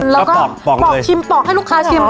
แล้วก็พลองเลยปลอกชิมปลอกให้ลูกค้าชิมเหรอ